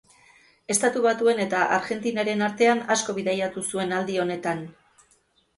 Estatu Batuen eta Argentinaren artean asko bidaiatu zuen aldi honetan.